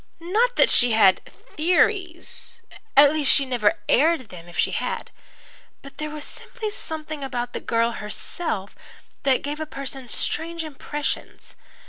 Not that she had 'theories' at least, she never aired them if she had. But there was simply something about the girl herself that gave a person strange impressions.